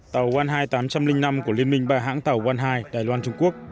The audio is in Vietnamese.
tàu one hide tám trăm linh năm của liên minh ba hãng tàu one hide đài loan trung quốc